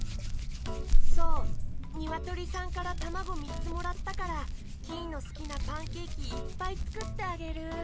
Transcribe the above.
そうにわとりさんからたまごみっつもらったからキイのすきなパンケーキいっぱいつくってあげる。